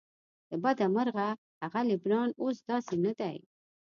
له بده مرغه هغه لبنان اوس داسې نه دی.